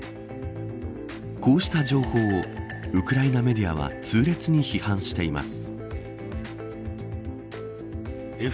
こうした情報をウクライナメディアは痛烈に批判しています。